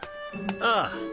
ああ。